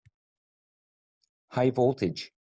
High voltage!